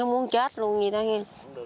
muốn chết luôn như thế